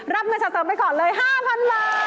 รับเงินสะสมไปก่อนเลย๕๐๐๐บาท